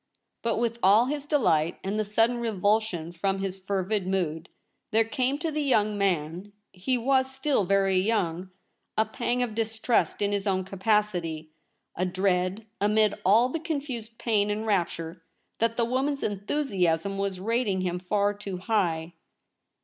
But with all his delight, and the sudden revulsion from his fervid mood, there came to the young man — he was still very young — a pang of distrust in his own capacity, a dread, amid all the confused pain and rapture, that the woman's enthusiasm was rating him far too high.